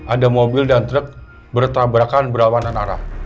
ada mobil dan truk bertabrakan berawanan arah